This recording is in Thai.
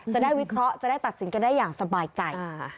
จะได้วิเคราะห์จะได้ตัดสินกันได้อย่างสบายใจ